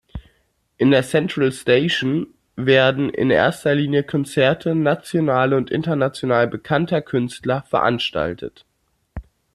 In der Centralstation werden in erster Linie Konzerte national und international bekannter Künstler veranstaltet.